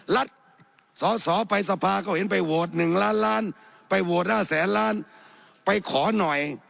สอสอไปสภาก็เห็นไปโหวต๑ล้านล้านไปโหวต๕แสนล้านไปขอหน่อย